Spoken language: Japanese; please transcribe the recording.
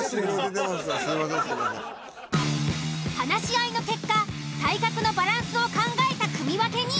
話し合いの結果体格のバランスを考えた組分けに。